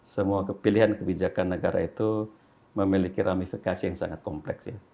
semua pilihan kebijakan negara itu memiliki ramifikasi yang sangat kompleks